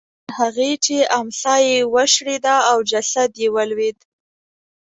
تر هغې چې امسا یې وشړېده او جسد یې ولوېد.